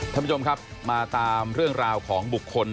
ท่านผู้ชมครับมาตามเรื่องราวของบุคคล